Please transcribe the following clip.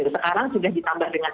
sekarang sudah ditambah dengan